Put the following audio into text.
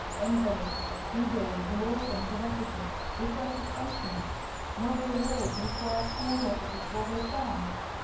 Invalids, widows, and orphans of officers requested pensions; noble lords required court offices for their sons.